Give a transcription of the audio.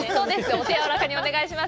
お手やわらかにお願いします。